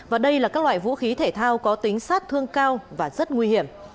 và đây là các loại vũ khí thể thao có tính sát thương cao và rất nguy hiểm